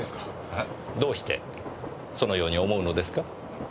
えっ？どうしてそのように思うのですか？